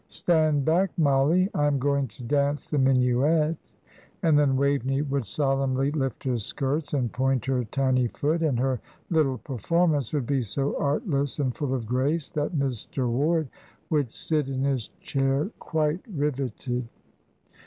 "Stand back, Mollie; I am going to dance the minuet;" and then Waveney would solemnly lift her skirts and point her tiny foot, and her little performance would be so artless and full of grace that Mr. Ward would sit in his chair quite riveted.